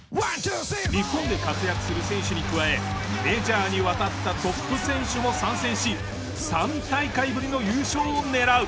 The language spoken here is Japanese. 日本で活躍する選手に加えメジャーに渡ったトップ選手も参戦し３大会ぶりの優勝を狙う。